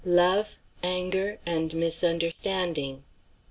LOVE, ANGER, AND MISUNDERSTANDING.